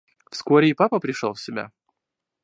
Вскоре и папа пришел в себя.